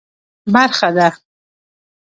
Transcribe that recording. برخه ده.